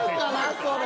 それ。